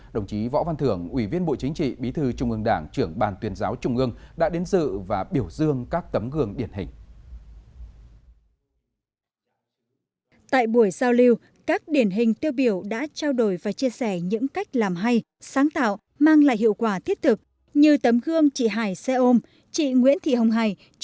đồng chí võ văn thưởng ủy viên bộ chính trị bí thư trung ương đảng trưởng ban tuyên giáo trung ương đã đến sự và biểu dương các tấm gương điển hình